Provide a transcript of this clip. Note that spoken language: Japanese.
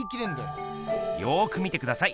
よく見てください。